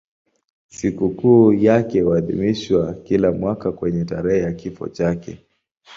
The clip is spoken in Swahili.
Sikukuu yake huadhimishwa kila mwaka kwenye tarehe ya kifo chake.